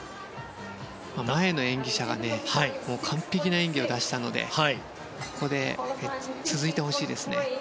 前の演技者が完璧な演技を出したので続いてほしいですね。